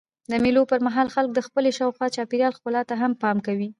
د مېلو پر مهال خلک د خپلي شاوخوا چاپېریال ښکلا ته هم پام کوي.